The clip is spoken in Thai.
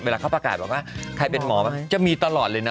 เขาประกาศบอกว่าใครเป็นหมอป่ะจะมีตลอดเลยนะ